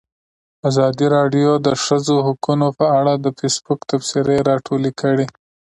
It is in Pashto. ازادي راډیو د د ښځو حقونه په اړه د فیسبوک تبصرې راټولې کړي.